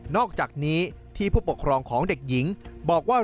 อกจากนี้ที่ผู้ปกครองของเด็กหญิงบอกว่า